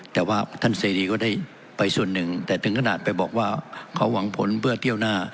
แต่ว่าท่านเสรีก็ได้ไปส่วนหนึ่งแต่ถึงขนาดไปบอกว่าเขาหวังผลเพื่อเที่ยวหน้า